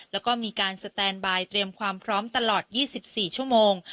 แล้วก็มีการสแตนบายเตรียมความพร้อมตลอด๒๔ชั่วโมง